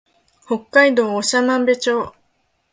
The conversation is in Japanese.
北海道長万部町